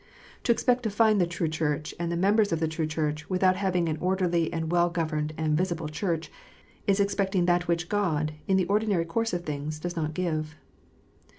To expect to find the true Church, and members of the true Church, without having an orderly and well governed and visible Church, is expecting that which God, in the ordinary course of things, does not give.